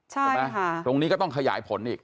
ใช่ไหมตรงนี้ก็ต้องขยายผลอีก